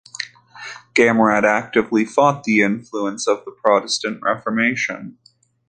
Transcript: Gamrat actively fought the influence of the Protestant Reformation.